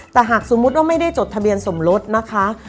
แต่หากสมมุติว่าไม่ได้จดทะเบียนสมรสนะคะ